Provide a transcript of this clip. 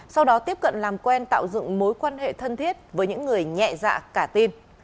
sau đó tiếp cận làm quen tạo dựng mối quan hệ thân thiết với những người nhẹ dạ cả tin